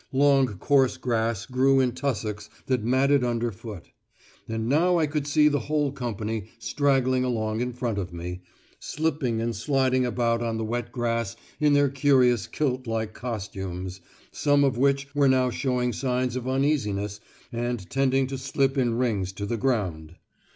Long coarse grass grew in tussocks that matted under foot; and now I could see the whole company straggling along in front of me, slipping and sliding about on the wet grass in their curious kilt like costumes, some of which were now showing signs of uneasiness and tending to slip in rings to the ground.